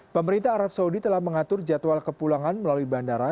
pemerintah arab saudi telah mengatur jadwal kepulangan melalui bandara